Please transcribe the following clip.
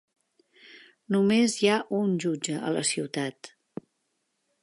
Només hi ha un jutge a la ciutat.